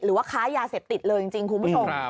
หรือว่าค้ายาเสพติดเลยจริงคุณผู้ชม